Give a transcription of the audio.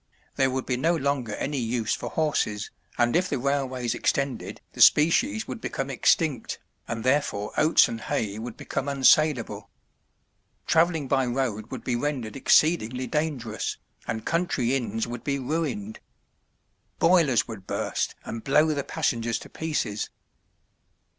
There would be no longer any use for horses, and if the railways extended the species would become extinct, and therefore oats and hay would become unsalable. Traveling by road would be rendered exceedingly dangerous, and country inns would be ruined. Boilers would burst and blow the passengers to pieces.